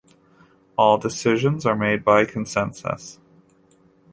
All decisions are made by consensus.